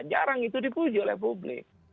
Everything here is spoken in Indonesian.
jarang itu dipuji oleh publik